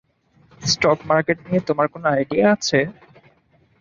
Stock market নিয়ে তোমার কোনো আইডিয়া আছে?